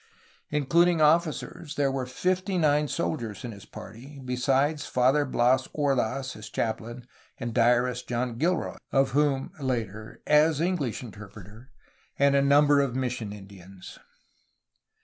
Including officers, there were fifty nine soldiers in his party, besides Father Bias Ordaz as chaplain and diarist, John Gilroy (of whom, later) as English interpreter, and a number of mission Indinas.